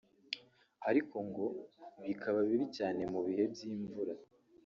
ariko ngo bikaba bibi cyane mu bihe by’imvura